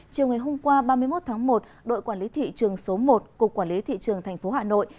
chiều ngày hôm qua ba mươi một tháng một đội quản lý thị trường số một của quản lý thị trường thành phố hà nội